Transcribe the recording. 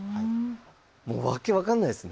もう訳分かんないですね。